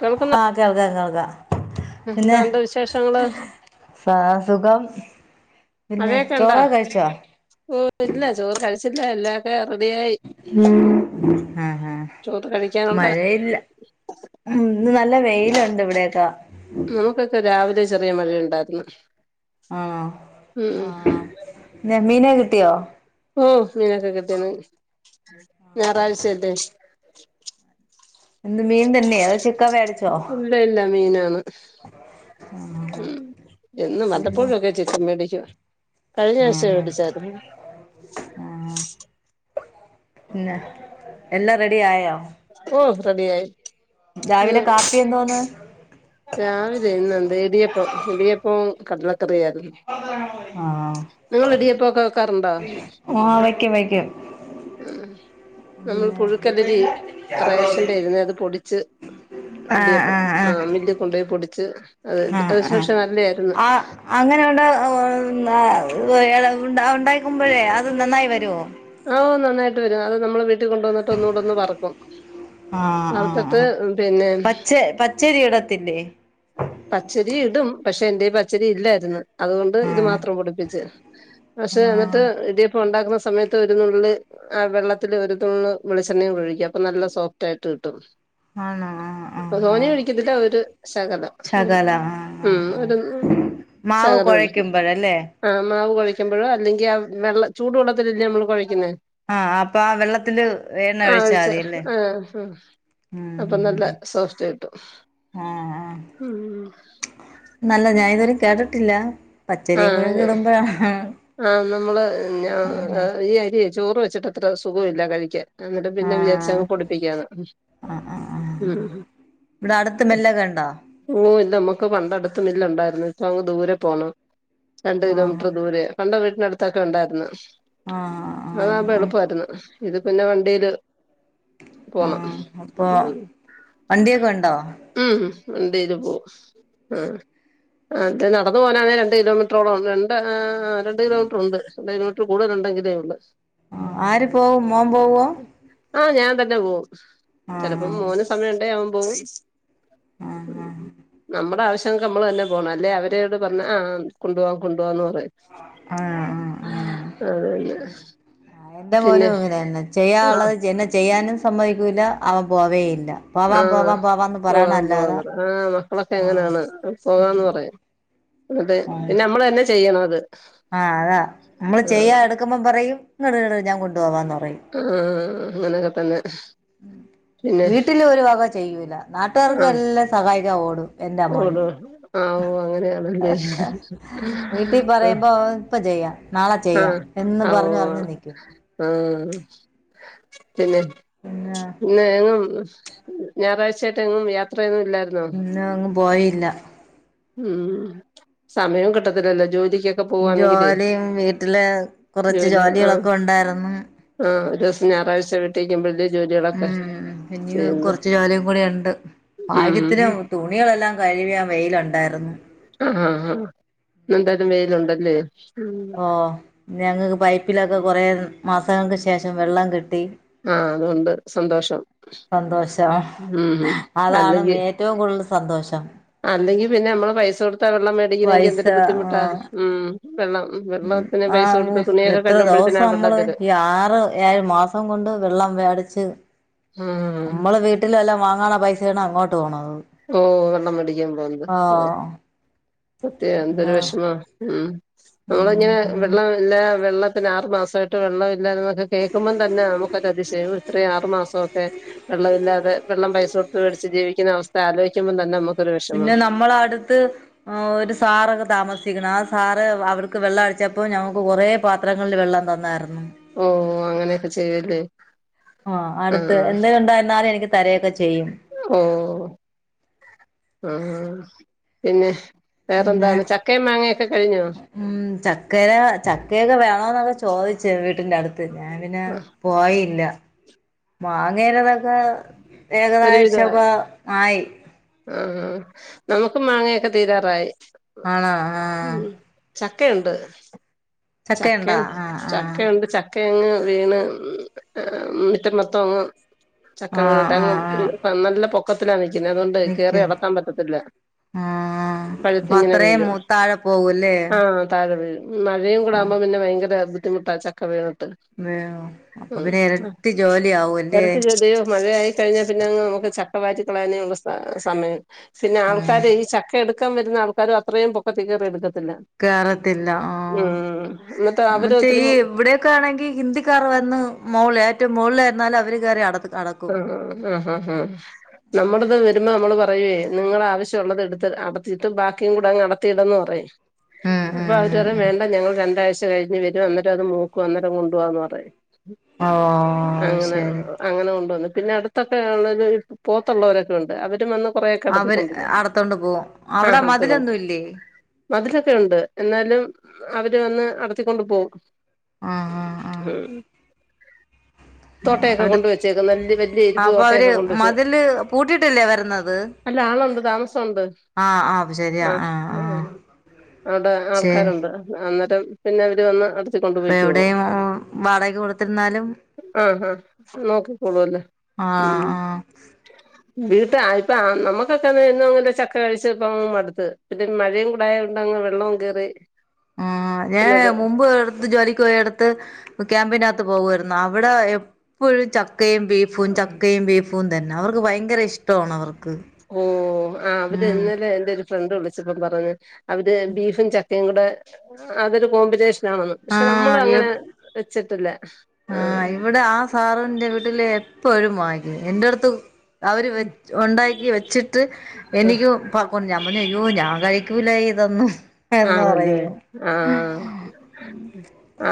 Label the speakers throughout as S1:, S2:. S1: കേൾക്കുന്നു
S2: ആ കേൾക്ക കേൾക്ക പിന്നെ
S1: എന്താണ്ട് വിശേഷങ്ങള്
S2: സാ സുഖം പിന്നെ
S1: മഴയൊക്കെ ഉണ്ടോ
S2: ചോറൊക്കെ കഴിച്ചോ ആഹ്
S1: ഓഹ് ഇല്ല ചോറ് കഴിച്ചില്ല എല്ലക്കെ എറ്
S2: ഉം ആഹ് ആഹ്
S1: ചോറ് കഴിക്കാനുള്ള
S2: മഴയില്ല ഉം ഇന്ന് നല്ല വെയിലുണ്ട് ഇവിടെ ട്ടൊ
S1: നമുക്കൊക്കെ രാവിലെ ചെറിയ മഴയുണ്ടാരുന്നു
S2: ആഹ് ആഹ് ന്ന് മീന കിട്ടിയോ?
S1: ഓ മീനൊക്കെ കിട്ടിണ് ഞായറാഴ്ചയിട്ടെ
S2: എന്ത് മീൻ തന്നെയ അതോ ചിക്കൻ വേടിച്ചോ
S1: ഇല്ല ഇല്ല മീനാണ് ഉം എന്നും വല്ലപ്പോഴൊക്കെ ചിക്കൻ മേടിക്കു കഴിഞ്ഞ ആഴ്ച്ച
S2: ആഹ്
S1: മേടിച്ചാര്ന്ന്
S2: ഉം എല്ലാം റെഡി ആയോ
S1: ഓ റെഡിയായി ഇന്ന്
S2: രാവിലെ കാപ്പി എന്തോന്ന്
S1: രാവിലെ ഇന്ന് എന്ത്‌ ഇടിയപ്പം ഇടിയപ്പം കടലക്കറിയാരുന്നു
S2: ആഹ്
S1: നിങ്ങ ഇടിയപ്പോക്കെ വെക്കാറുണ്ടോ
S2: ആഹ് വയ്ക്കും വയ്ക്കും
S1: ഉം നമ്മൾ
S2: പിന്നെ
S1: പുഴുക്കലരി റേഷന്റെരുന്ന് അത് പൊടിച്ച്
S2: ആഹ്
S1: ഇടിയപ്പം
S2: ആഹ്
S1: ആ
S2: ആഹ്
S1: മില്ലി കൊണ്ട്പോയി പൊടിച്ച്
S2: ആഹ്
S1: അത് ശേഷം
S2: ആഹ് അങ്ങനെയൊണ്ട [unintelligible] ഉം ഏതാ ഉണ്ടാ ഉണ്ടായിക്കുമ്പോഴേ അത് നന്നായി വരുവോ
S1: ആഹ് ഓ നന്നായിട്ട് വരും അത് നമ്മൾ വീട്ടിൽ കൊണ്ട് വന്നിട്ട് ഒന്നുകൂടെ ഒന്ന് വറ്ക്കും
S2: ആഹ് ആഹ് പച്ച പച്ചരി ഇടത്തില്ലേ
S1: പച്ചരി ഇടും പക്ഷെ എന്റെ പച്ചരി ഇല്ലാരുന്നു അതുകൊണ്ട് ഇത്
S2: ആഹ്
S1: മാത്രം പൊടിപ്പിച്ച് പക്ഷെ
S2: ആഹ്
S1: എന്നിട്ട് ഇടിയപ്പോണ്ടാക്കണ സമയത്ത് ഒരു നുള്ള് ആ വെള്ളത്തില് ഒരു നുള്ള് വെളിച്ചെണ്ണയും കൂടി ഒഴിക്കും അപ്പൊ നല്ല സോഫ്റ്റ് ആയിട്ട് കിട്ടും
S2: ആണോ ആഹ് ആഹ്
S1: തോനിയ
S2: ആഹ്
S1: ഒഴിക്കത്തില്ല ഒരു ശകലം
S2: ശകല ആഹ് ആഹ്
S1: ഉം
S2: ആഹ്
S1: ഒരു നു
S2: മാവ്
S1: സകലൊഴിക്ക്
S2: കുഴയ്ക്കുമ്പോഴല്ലേ
S1: ആഹ് മാവ് കൊഴക്ക് ക്കുമ്പോഴോ അല്ലെങ്കി ആ വെള്ള ചൂടു വെള്ളത്തിലല്ലേ നമ്മള് കുഴക്കുന്നെ
S2: ആഹ് അപ്പൊ ആ വെള്ളത്തില് എണ്ണ
S1: ആഹ്
S2: ഒഴിച്ചാൽ
S1: ഒഴിച്ച
S2: മതിയല്ലേ
S1: ആഹ് ആഹ്
S2: ഉം
S1: അപ്പൊ
S2: ഉം
S1: നല്ല സോഫ്റ്റ് ആയിട്ടും
S2: ആഹ് ആഹ് നല്ല ഞാൻ ഇതുവരേം കേട്ടിട്ടില്ല പച്ചരിം കൂടിക്ക
S1: ആഹ്
S2: ഇടുമ്പോഴാണ്
S1: ആഹ് നമ്മള് ഞ ആ ഈ അരിയേ ചോറ് വെച്ചിട്ട് അത്ര സുഖവില്ല കഴിക്കാൻ എന്നിട്ട് പിന്നെ
S2: ആഹ്
S1: വിചാരിച്ചങ്ങ് പൊടിപ്പിക്കാന്ന്
S2: ആഹ് ആഹ് ആഹ്
S1: ഉം
S2: ഇവിടെ അടുത്ത് മില്ലൊക്കെ ഉണ്ടോ
S1: ഓഹ് എന്താമ്മ ക്ക് പണ്ടടുത്ത് മില്ല് ഉണ്ടാരുന്നു ഇപ്പങ്ങ് ദൂരെ പോണം രണ്ട്
S2: ആഹ്
S1: കിലോമീറ്റർ ദൂരെയാ പണ്ട് വീട്ടിനടുത്തായിട്ട് ഉണ്ടാരുന്നു
S2: ആഹ് ആഹ്
S1: അതാകുമ്പം
S2: ആഹ്
S1: എളുപ്പാരുന്നു ഇത് പിന്നെ വണ്ടിയില് പോണം
S2: ആഹ് അപ്പൊ
S1: ഉം
S2: വണ്ടിയൊക്കെ ഉണ്ടോ
S1: ഉം വണ്ടില് പോ ആഹ് അതെ നടന്ന പോനാന്നെ രണ്ട് കിലോമീറ്ററോളം രണ്ട് ഏഹ് രണ്ട് കിലോമീറ്റർ ഉണ്ട് രണ്ട് കിലോമീറ്റർ കൂട്തൽ ഉണ്ടെങ്കിലേ ഉള്ള്
S2: ആഹ് ആര് പോകും മോൻ പോവോ
S1: ആഹ് ഞാൻ തന്നെ പോവും ചിലപ്പോ
S2: ആഹ്
S1: മോന് സമയുണ്ടെ ആവൻ പോവും ഉം
S2: ആഹ്
S1: നമ്മുടെ ആവശ്യ ത്തങ്ക് നമ്മള് തന്നെ പോണം അല്ലേ അവരോട് പറഞ ആ കൊണ്ടു പോവാ കൊണ്ടു പോവാന്ന് പറയും
S2: ആഹ് ആഹ് ആഹ്
S1: അതന്നെ
S2: എന്റെ
S1: പിന്നെ
S2: മോനും ഇങ്ങനന്നെ
S1: ആ
S2: ചെയ്യാനുള്ളത് എന്നെ ചെയ്യാനും സമ്മതിക്കൂല്ല അവൻ പോവേയില്ല ല്ല പോവാ
S1: ആ
S2: പോവാ പോവാന്ന്
S1: പോകാം പോകാന്ന്
S2: പറയണല്ലാതാ
S1: പറയും ആ മക്കളൊക്കെ എങ്ങനെയാണ് പോകാന്ന് പറയാം അതെ പിന്നെ നമ്മൾ തന്നെ ചെയ്യണം അത്
S2: ആഹ് അതാ നമ്മള്
S1: ആ
S2: ചെയ്യാ എടുക്കുമ്പം പറയും ഇങ്ങട് ട് ഞാൻ കൊണ്ടു പോവാന്ന് പറ
S1: ആഹ് അങ്ങനെക്ക തന്നെ പിന്നെ
S2: വീട്ടില് ഒരു വക ചെയ്യൂല്ല. നാട്ടാർക്ക്
S1: ആ
S2: എല്ലാം സഹായിക്കാൻ ഓടും എന്റെ മോൻ
S1: ഓടോ ആ ഓ അങ്ങനെയാണല്ലേ
S2: വീട്ടിൽ പറയുമ്പോ ഇപ്പ ചെയ്യാം. നാളെ
S1: ആ
S2: ചെയ്യാം. എന്ന്
S1: ആ ഓ
S2: പറഞ്ഞു പറഞ്ഞു നിക്കും.
S1: ആ പിന്നെ
S2: പിന്നെ
S1: പിന്നെ എങ്ങും ഞായറാഴ്ചായിട്ട് എങ്ങും യാത്ര
S2: ഇന്ന അങ്ങ് പോയില്ല.
S1: ഉം.. സമയം കിട്ടത്തില്ലല്ലോ ജോലി.
S2: ജോലിയും വീട്ടില് കുറച്ച് ജോലികളൊക്കെ ഉണ്ടായിരുന്നു.
S1: ആ.. ഒരു ദിവസം ഞായറാഴ്ച വീട്ടീക്കും വല്യ ജോല്യേളൊക്കെ.
S2: പിനിയേം കൊറച് ജോലിയും കൂടി ഉണ്ട്.
S1: ഉം
S2: ഭാഗ്യത്തിന്
S1: ഉം
S2: തുണ്യേളെല്ലാം കഴുകിടാൻ വെയിലുണ്ട്.
S1: ആഹ് ആഹ് ആഹ്. ഇന്നെന്തായാലും വെലുണ്ടല്ലേ?
S2: ഓ, ഞങ്ങക്ക് പൈപ്പിലൊക്കെ കൊറേ മാസങ്ങൾക്ക് ശേഷം വെള്ളം കിട്ടി.
S1: ആഹ് അതുകൊണ്ട് സന്തോഷം
S2: സന്തോഷം
S1: ഉം ഉം
S2: അതാണ്
S1: അല്ലെങ്കി
S2: ഏറ്റവും കൂടുതൽ. സന്തോഷം.
S1: അല്ലെങ്കി പിന്നെ നമ്മള് പൈസ കൊടുത്താ വെള്ളം മേടിക്കണെങ്കിൽ
S2: പൈസ
S1: എന്തൊരു ബുദ്ധിമുട്ടാ. ഉം.. വെള്ളം. വെള്ളത്തിന്
S2: ആ
S1: പൈസ കൊടുത്ത് തുണിയൊക്കെ
S2: എത്ര
S1: കഴുകുമ്പോഴത്തേന്
S2: ദിവസം
S1: ആ വെള്ളം
S2: നമ്മള്
S1: തരും
S2: ഈ ആറ് ഏഴ് മാസം കൊണ്ട് വെള്ളം. വേടിച്ച്
S1: ഉം
S2: മ്മള് വീട്ടിലെല്ലാം വാങ്ങാള്ള പൈസയാണ് അങ്ങോട്ട് പോണത്.
S1: ഓ, വെള്ളം മേടിക്കാൻ പോയത് ഓ.
S2: ആഹ്
S1: സത്യാ, എന്തൊരു
S2: പിന്നെ
S1: വെഷമ ഉം. നമ്മളിങ്ങനെ
S2: ഉം
S1: വെള്ളം ഇല്ല വെള്ള ത്തിന് ആറു മാസായിട്ട് വെള്ളംമില്ലന്നൊക്കെ കേൾക്കുമ്പോ തന്നെ നമ്മക്കൊരു അതിശയം ഇത്രയും ആറുമാസക്കെ വെള്ളമില്ലാതെ വെള്ളം പൈസ കൊടുത്ത് വേടിച്ച് ജീവിക്കണ അവസ്ഥ ആലോയ്ക്കുമ്പോതന്നെ മ്മക്ക്
S2: പിന്നെ നമ്മളടുത്ത് ഒരു സാറൊക്കെ താമസിക്കണ് ആ സാറ് അവർ ക്ക് വെള്ളം അടിച്ചപ്പോ ഞമ്മക്ക് കുറേ പാത്രങ്ങളില് വെള്ളം തന്നാർന്നു.
S1: ഓ [unintelligible]
S2: ആഹ്
S1: ആ
S2: അടുത്ത് എന്ത് [unintelligible] എനിക്ക് തരേ ഒക്കെ ചെ
S1: ഓഹ് ആഹ് പിന്നെ?
S2: പിന്നെ
S1: വേറെന്താന്ന്? ചക്കയും മാങ്ങൊക്കെ
S2: ഉം ചക്കര ചക്കയൊക്കെ വേണോന്നൊക്കെ ചോയിച്ച് വി ട്ടിന്റെ അടുത്തെന്നെ ഞാൻ പിന്നെ
S1: ആ
S2: പോയില്ല, മാങ്ങേ [unintelligible] ആയി.
S1: ആഹ് നമുക്ക് മാങ്ങയൊക്കെ തീരാറായി.
S2: ആണോ ആഹ്.
S1: [unintelligible] ചക്കയൊണ്ട്
S2: ചക്കയുണ്ടോ ആഹ് ആഹ്
S1: ചക്കയങ് വീണ്, ഇന്നിട്ട് മൊത്തങ്ങ് ചക്ക
S2: ആഹ്
S1: വീണട്ടങ്ങ്
S2: ആഹ് ആഹ്
S1: നല്ല പൊക്കത്തിലാ നിക്കുന്നെ, അതോണ്ട് കേറി
S2: നിക്ക്
S1: അടത്താൻ പറ്റത്തില്ല.
S2: ആഹ് അപ്പൊ
S1: പഴ്ത്തിങ്ങനെ
S2: അത്രയും
S1: വീഴും.
S2: മൂത്താഴെ പോകൂല്ലേ
S1: ആഹ് താഴെ വീഴും. മഴയും കൂടാകുമ്പോ
S2: ആഹ്
S1: പിന്നെ ഭയങ്കര ബുദ്ധിമുട്ടാ ചക്ക വീണ
S2: അപ്പൊ പിന്നെ
S1: [unintelligible]
S2: ഇരട്ടി ജോലി ആവൂല്ലേ
S1: ഇടക്ക് ചെതിയോ മഴയായി കഴിഞ്ഞാ പിന്നെ അങ്ങ് ചക്ക വയറ്റിക്കളയാനേ ഉള്ള് സമയം. പിന്നെ
S2: ആഹ്
S1: ആൾക്കാര് ഈ ചക്ക എടുക്കാ ക്കാൻ വരുന്ന ആൾക്കാരും അത്രയും പൊക്കത്തി കയറി എടുക്കത്തി
S2: കേറത്തില്ല ആഹ്. ആഹ്
S1: എന്നിട്ട് അവര്
S2: മറ്റേ
S1: ഒത്തിരി
S2: ഈ ഇവിടൊക്കെയാണെങ്കിൽ ഹിന്ദിക്കാർ വന്ന് മോള മോള്ളാരിന്നാലും അവര് കേറി അടത്തും.
S1: ആഹ് ആഹ് ഹാ ഹാ ഹാ നമ്മടത് വരുമ്പോ നമ്മള് പറ നിങ്ങൾ ആവശ്യമുള്ളത് എടുത്ത് അടത്തിയിട്ട് ബാക്കിയും കൂടെ അങ്ങ് നടത്തിയിടന്ന് പറയും.
S2: ഉം
S1: അപ്പൊ
S2: ഉം ഉം
S1: അവര്പറിം
S2: ഉം
S1: വേണ്ട ഞങ്ങൾ രണ്ടാഴ്ച്ച കഴിഞ്ഞ് വരും അന്നേരം അത് മൂക്കും അന്നേരം കൊണ്ടു പോവാന്ന് പറയും.
S2: ഓഹ്
S1: അങ്ങനെ
S2: ശരി.
S1: അങ്ങനെ കൊണ്ടുവന്നു പിന്നെ അടുത്തൊക്കെ ഉള്ള പോത്തുള്ളവരൊക്കെ ഉണ്ട് അവരും വന്ന് കൊറെയൊക്കെ അടത്തി
S2: അവര്
S1: കൊണ്ട് പോകും
S2: അടത്തോണ്ട് പോകും
S1: ആ
S2: അവിടെ
S1: അടത്തി കൊണ്ട്
S2: മതിലൊന്നും ഇല്ലേ?
S1: മതിലൊക്കെ ഉണ്ട് എന്നാലും അവ ര് വന്ന് അടത്തിക്കൊണ്ട് പോകും.
S2: ആഹ് ആഹ് ആഹ് ആഹ്
S1: തോട്ടേക്കെ
S2: അവര്
S1: കൊണ്ട് വെച്ചേ നല്ല വല്യ ഇരിമ്പ്
S2: അപ്പൊ അവര്
S1: ന്തോട്ടയൊക്കെ കൊണ്ട് വച്ച്,
S2: മതില് പൂട്ടിട്ടല്ലേ വരുന്നത്
S1: അല്ലാ ആളൊണ്ട് താമസോണ്ട്.
S2: ആഹ് ആഹ് അത് ശരിയാ ആഹ് ആഹ്.
S1: അവിടെ
S2: ശരി
S1: ആൾക്കാരുണ്ട് അന്നേരം പിന്നെ അവര് വന്ന് അട കൊണ്ട്
S2: ഇപ്പൊ
S1: പൊയികൊളും
S2: എവിടെയും വാടകക്ക് കൊടുത്തിരുന്നാലും
S1: ആഹ് ഹ നോക്കിക്കോളൂ അല്ലോ
S2: ആഹ് ആഹ്.
S1: വീട്ടാ ഇപ്പ നമ്മുക്കൊക്കെ എന്നും അങ്ങില്ല ചക്ക കഴിച്ചിപ്പം മടുത്ത് പിന്നെ മഴയും കൂടായൊണ്ടങ്ങ് വെള്ളോം കേറി
S2: ആഹ് ഞാൻ
S1: പിന്നത്
S2: മുമ്പ് എടുത്ത് ജോലിക്ക് പോയ എടുത്ത് ക്യാമ്പിനാത്ത് പോകുവാരുന്നു. അവിടെ എപ്പോഴും ചക്കയും ബീഫും ചക്കയും ബീഫും തന്നെ അവർക്ക് ഭയങ്കര ഇഷ്ട ഇഷ്ടൊണ് അവർക്ക്.
S1: ഓഹ് ആ അവര്
S2: ഉം
S1: ഇന്നലെ എന്റെ ഒരു ഫ്രണ്ട് വിളിച്ചപ്പം പറഞ്ഞ് അവര് ബീഫും ചക്ക കയും കൂടെ അതൊരു കോമ്പിനേഷനാണന്ന്, പക്ഷെ നമ്മള്
S2: ആഹ്
S1: അങ്ങനെ
S2: എപ്
S1: വെച്ചട്ടില്ല.
S2: ആഹ് ഇവിടെ ആ സാറിന്റെ വീട്ടില് എപ്പഴും വാങ്ങിക്കും എന്റെട്ത്ത് അവര് വച്ച് ഉണ്ടാക്കി വെച്ചിട്ട് എനിക്ക് പ കൊ ഞാൻ പറഞ്ഞു അയ്യോ ഞാൻ കഴിക്കൂല്ല ഇതൊന്നും എന്ന്
S1: ആണല്ലെ
S2: പറയും
S1: ആഹ്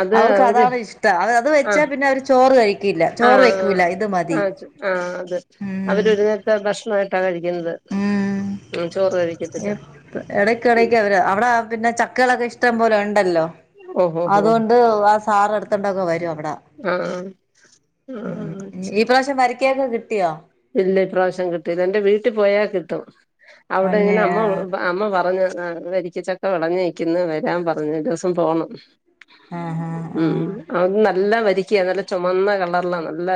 S1: അത്
S2: അവർക്ക്
S1: അവര്
S2: അതാണ് ഇഷ്ടം അത് അത്
S1: അ
S2: വെച്ചാ പിന്നെ അവര് ചോറ് കഴിക്കില്ല
S1: ആ ആ
S2: ചോറ് വെക്കൂല ഇത്
S1: ആ
S2: മതി
S1: വെച്ചു ആ അത്
S2: ഉം
S1: അവര് ഒരു നേരത്തെ ഭക്ഷണേ [unintelligible] കഴിക്ക്ന്നത്
S2: ഉം
S1: ഉം ചോറ് കഴിക്കത്തില്ല
S2: എപ്പ എടയ്ക്ക് എടയ്ക്ക് അവര് അവിടെ ആ പിന്നെ ചക്കകളൊക്കെ ഇഷ്ടം പോലെ ഉണ്ടല്ലോ
S1: ഓഹോ ഹോ
S2: അത് കൊണ്ട് ഉ ആ സാറ് എടുത്തണ്ടൊക്കെ വരും അവടെ
S1: ആ ആ ആ
S2: ഈ പ്രാവശ്യം വരിക്കയൊക്കെ കിട്ടിയോ
S1: ഇല്ല ഇപ്രാവശ്യം കിട്ടീല്ല എന്റെ വീട്ടി പോയാ കിട്ടും അവിടെ
S2: അന്നെ
S1: ഇങ്ങനെ അമ്മ
S2: ആഹ്
S1: അമ്മ പറഞ്ഞതാണ് വരിക്കച്ചക്ക വെളഞ്ഞ് നിക്കുന്നു വരാം പറഞ്ഞ് ഒരു ദിവസം പോണം
S2: ആഹ് ആഹ്
S1: ഉം
S2: ആഹ്
S1: അത് നല്ല വരിക്കയാ അത് നല്ല ചൊമന്ന കളറ്ലാ നല്ല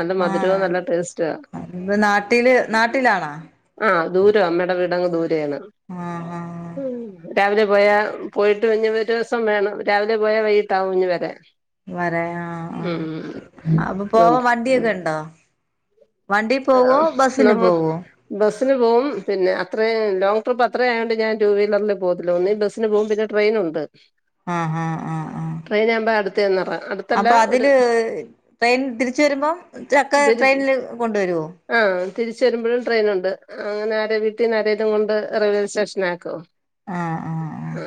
S1: നല്ല മധുരവും നല്ല ടേസ്റ്റു വാ
S2: ഇന്ന് നാട്ടില് നാട്ടിലാണാ
S1: ആ ദൂരവാ അമ്മേടെ വീടങ്ങ് ദൂരേയാണ്
S2: ആഹ് ആഹ്
S1: രാവിലെ പോയാ പോയിട്ട് [unintelligible] ഒരൂസം വേണം രാവിലെ പോയാ വൈകീട്ടാവും പിന്നെ വരാൻ
S2: വരാൻ ആഹ് ആ
S1: ഉം
S2: അ അപ്പൊ പോവാൻ
S1: അതുകൊണ്ട്
S2: വണ്ടിയൊക്കെ ഉണ്ടോ വണ്ടി
S1: ഏ
S2: പോവോ
S1: ആഹ്
S2: ബസിന്
S1: നമ്മ
S2: പോവോ
S1: ബസ് ബസ്സിന് പോവും പിന്നെ അത്രേ ലോങ് ട്രിപ്പ് അത്രേയായോണ്ട് ഞാൻ ടു വീലറിൽ പോവത്തില്ല ഒന്നേൽ ബസ്സിന് പോവും പിന്നെ ട്രെയിനും ഉണ്ട്
S2: ആഹ് ആഹ് ആഹ് ആഹ്
S1: അടുത്തന്നറ അടുത്തല്ല
S2: അപ്പൊ
S1: ഒരു
S2: അതില് ട്രെയിൻ തിരിച്ച് വരുമ്പോം ചക്ക
S1: തിരി
S2: ട്രെയിനില് കൊണ്ടുവരും
S1: ആഹ് തിരിച്ച് വരുമ്പഴും ട്രെയിനുണ്ട് അങ്ങനെ ആരെ വീട്ടീന്ന് ആരേലും കൊണ്ട് റെയിൽവേ സ്റ്റേഷനി ആക്കും
S2: ആഹ് ആഹ് ആഹ്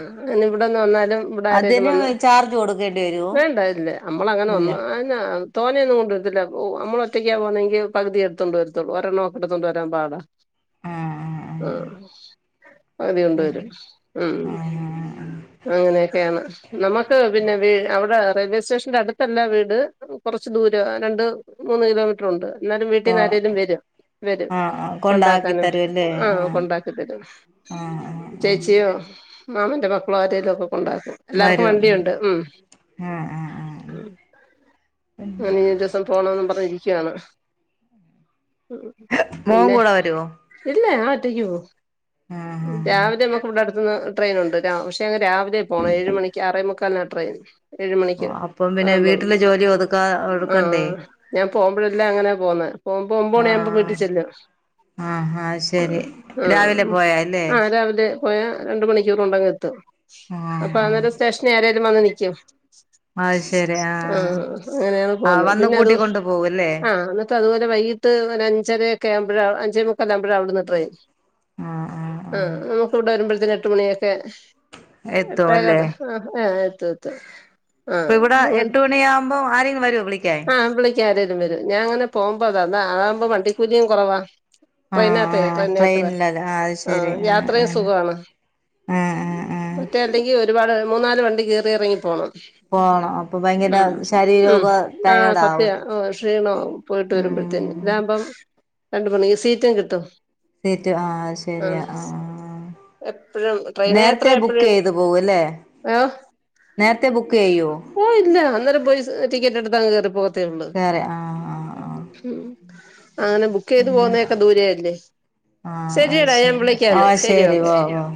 S1: ഇവിടെന്ന് വന്നാലും ഇവിടെ ആരേലും
S2: അതിന്
S1: വന്ന്
S2: ചാർജ് കൊടുക്കേണ്ടി വരുവോ
S1: വേണ്ട ഇല്ലേ അമ്മളങ്ങനെ
S2: ഇല്ല
S1: [unintelligible] തോനെയൊന്നും കൊണ്ട് വരത്തില്ല അപ്പോ അമ്മളൊറ്റക്കാ പോന്നെങ്കിൽ പകുതി ഇടത്തോണ്ട് വരത്തൊള്ളൂ ഒരെണൊക്കെടുത്തോണ്ട് വരാൻ പാടാ
S2: ആഹ്
S1: ആ
S2: ആഹ്
S1: പക്‌തി കൊണ്ട്
S2: ആഹ്
S1: വരും ഉം
S2: ആഹ് ആഹ്
S1: അങ്ങനെയൊക്കെയാണ് നമ്മക്ക് പിന്നെ വേ അവടെ റെയിൽവേ സ്റ്റേഷന്റെ അടുത്തല്ല വീട് കൊറച്ച് ദൂരവാ രണ്ട് മൂന്ന് കിലോമീറ്റർ ഉണ്ട് എന്നാലും വീട് വീട്ടീന്ന്
S2: പോണം
S1: ആരേലും വരോ വരും
S2: ആഹ് ആഹ് കൊണ്ടാക്കി
S1: കൊണ്ടാക്കാനും
S2: തരുല്ലേ
S1: ആഹ് കൊണ്ടാക്കി തരും
S2: ആഹ് ആഹ് ആഹ്
S1: ചേച്ചിയോ മാമന്റെ മക്കളോ ആരേലൊക്കെ കൊണ്ടാക്കും എല്ലാർക്കും വണ്ടിയുണ്ട് ഉം
S2: ആഹ് ആഹ് ആഹ്
S1: അ ഇനിനി ഒരൂസം പോണോന്നും പറഞ്ഞിരിക്കാണ് ഉം
S2: മോൻ
S1: പിന്നെ
S2: കൂടെ വരുവോ
S1: ഇല്ലേ ഞാഒറ്റയ്ക്ക് പോവും
S2: ആഹ് ആഹ്
S1: രാവിലെ നമ്മുക്ക് ഇവിടെ രാവിലെ പോണം ഏഴ് മണിക്ക് ആറേമുക്കാലിനാ ട്രെയിൻ ഏഴുമണിക്ക്
S2: അപ്പം പിന്നെ
S1: ആവുമ്പ
S2: വീട്ടിലെ ജോലി ഒതുക്കാ
S1: ആ
S2: ഒതുക്കണ്ടേ
S1: ആ ഞാൻ പോവുമ്പെഴല്ലാ അങ്ങനാ പോന്നെ പോവുമ്പോ ഒമ്പത് മണിയാവുമ്പോ
S2: ആഹ്
S1: വീട്ടിച്ചെല്ലോ
S2: ആഹ് അത്
S1: ആ
S2: ശരി
S1: ആ
S2: രാവിലെ
S1: ഉം
S2: പോയാല്ലേ
S1: ആ രാവിലെ പോയാ രണ്ട് മണിക്കൂർ കൊണ്ട് അങ്ങെത്തും
S2: ആഹ്
S1: അപ്പൊ
S2: ആഹ്
S1: അന്നേരം സ്റ്റേഷനി ആരേലും വന്ന് നിക്ക്യോ
S2: അത് ശരി
S1: ആഹ് അങ്ങനെയാണ്
S2: ആഹ്
S1: പോകുന്നത്
S2: വന്ന്
S1: പിന്നെ അത്
S2: കൂട്ടിക്കൊണ്ട് പോവുല്ലേ
S1: ആഹ് അ അതുപോലെ വൈകിട്ട് അഞ്ചരക്കെ ആവുമ്പോ അഞ്ചേ മു കല്ലാമ്പുഴ അവിടുന്ന് ട്രെയിൻ ആഹ് നമുക്ക് ഇവിടെ വരുമ്പോഴത്തേന് എട്ട് മണിയൊക്കെ
S2: എത്തും അല്ലേ
S1: [unintelligible] ആഹ് ഏഹ് എത്തും എത്തും
S2: ഇപ്പ
S1: ആഹ്
S2: ഇവിടെ എട്ട് മണി ആവുമ്പോ ആരേലും വരോ
S1: ആ വിളിക്കാ ആരേലും വരും ഞാ അങ്ങനെ പോകുമ്പോ അതാവുമ്പോ വണ്ടിക്കൂലിയും കൊറവാ ട്രെയിൻ യാത്രേയ്
S2: ആഹ്
S1: ട്രെയിൻ യാത്ര
S2: ട്രെയിനിലല്ലേ അത് ശരി
S1: ആഹ് യാത്രയും
S2: ആഹ്
S1: സുഖവാണ്
S2: ആഹ് ആഹ് ആഹ്
S1: മറ്റേ അല്ലെങ്കി ഒരുപാട് മൂന്നാല് വണ്ടി കേറി എറങ്ങിപ്പോണം
S2: പോണം അപ്പൊ ഭയങ്കര
S1: ഉം ഉം
S2: ശരീരമൊക്കെ
S1: ആ
S2: ടയേർഡ് ആവും
S1: സത്യാ ഒ ക്ഷീണാവും പോയിട്ട് വരുമ്പ [unintelligible]
S2: ഉം
S1: ഇതാവുമ്പം രണ്ട് മണി സീറ്റും കിട്ടും
S2: സീറ്റ് ആഹ് ശരിയാ ആഹ് ആഹ്
S1: എപ്പഴും ട്രെയിൻ യാത്ര
S2: നേരത്തെ ബുക്ക്
S1: എപ്പഴും
S2: ചെയ്ത് പോവൂല്ലേ
S1: ഏഹ്
S2: നേരത്തെ ബുക്ക് ചെയ്യോ
S1: ഓ ഇല്ല അന്നേരം പോയി ടിക്കറ്റ് എടുത്തങ്ങു കേറി പോകത്തേ ഒള്ളു
S2: കേറെ ആഹ് ആഹ്
S1: അങ്ങനെ ബുക്ക് ചെയ്ത് പോവുന്നൊക്കെ ദൂരല്ലേ
S2: ആഹ് ആഹ് അത്
S1: ശരിയടാ ഞാൻ
S2: ശരി
S1: വിളിക്കാന്ന്
S2: ആഹ്
S1: ശരി ഓക്കെ
S2: ഓ ഓ